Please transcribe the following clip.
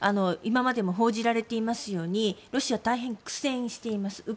今までも報じられていますようにロシアは大変苦戦しています。